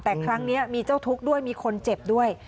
แต่ครั้งนี้มีเจ้าทุกข์ด้วยมีคนเจ็บด้วย